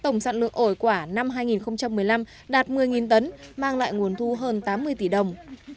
tổng sản lượng ổi quả năm hai nghìn một mươi năm đạt một mươi tấn mang lại nguồn thu hơn tám mươi tỷ đồng